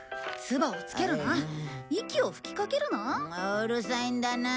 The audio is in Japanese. うるさいんだな。